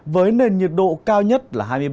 với nền nhiệt độ cao nhất là hai mươi ba độ